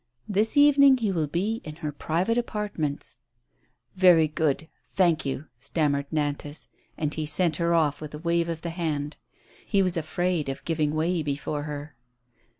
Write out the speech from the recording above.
Tliis evening he will be in her private apartments.'* " Very good — thank you," stammered Nantas. And he sent her off with a wave of the hand ; he was afraid of giving way before her.